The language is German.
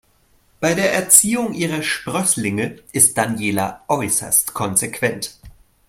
Bei der Erziehung ihrer Sprösslinge ist Daniela äußerst konsequent.